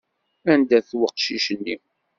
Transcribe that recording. Anda-t weqcic-nni?